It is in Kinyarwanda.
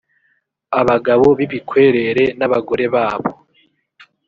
abagabo b’ibikwerere n’abagore babo